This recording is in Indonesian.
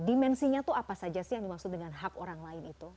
dimensinya itu apa saja sih yang dimaksud dengan hub orang lain itu